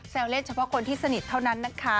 เล่นเฉพาะคนที่สนิทเท่านั้นนะคะ